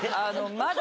まだ。